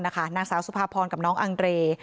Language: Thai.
นางสาวสุภาพรกับน้องอังเร